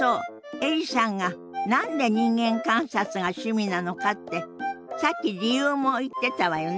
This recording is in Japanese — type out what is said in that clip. エリさんが何で人間観察が趣味なのかってさっき理由も言ってたわよね。